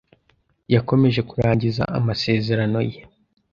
yakomeje kurangiza amasezerano ye.